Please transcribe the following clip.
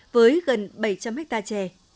với gần bảy trăm linh ha trẻ